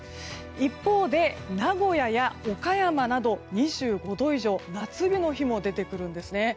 一方で、名古屋や岡山など２５度以上夏日の日も出てくるんですね。